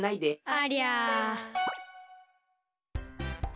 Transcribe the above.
ありゃ！